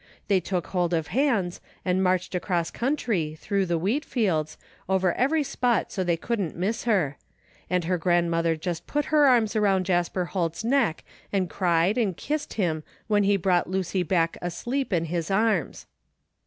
They took hold of hands and marched across country, through the wheat fields, over every spot so they couldn't miss her; and her 17 257 THE FINDING OF JASPER HOLT grandmother just put her arms around Jasper Holt's neck and cried and kissed him when he brought Lucy back asleep in his arms.